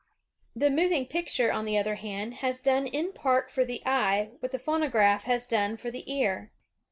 The moving picture, on the other hand, has done in part for the eye what the phonograph has done for the ear.